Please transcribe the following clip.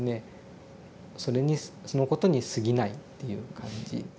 そのことにすぎないっていう感じ。